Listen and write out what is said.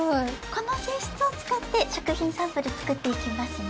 このせいしつをつかって食品サンプルつくっていきますね。